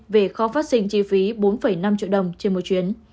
về kho phát sinh chi phí bốn năm triệu đồng trên một chuyến